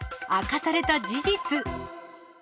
明かされた事実。